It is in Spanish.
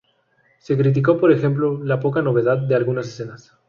Se criticó, por ejemplo, "la poca novedad de algunas escenas".